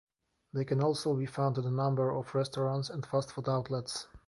They can also be found at a number of restaurants and fast food outlets.